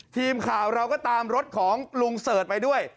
ทีมข่าวเราก็ตามรถของลุงเสิร์ชไปด้วย